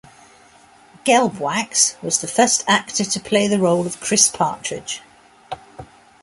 Gelbwaks was the first actor to play the role of Chris Partridge.